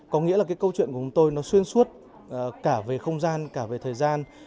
có nghĩa là cái câu chuyện của chúng tôi nó xuyên suốt cả về không gian cả về thời gian